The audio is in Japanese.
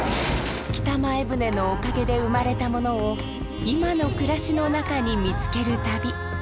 北前船のおかげで生まれたものを今の暮らしの中に見つける旅。